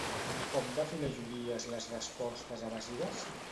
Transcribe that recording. Com defineix Urías les respostes evasives?